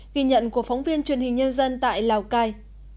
ghi nhận của phóng viên truyền hình nhân dân tại lào cai